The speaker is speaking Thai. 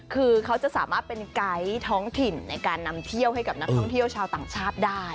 คือเขาจะสามารถเป็นไกด์ท้องถิ่นในการนำเที่ยวให้กับนักท่องเที่ยวชาวต่างชาติได้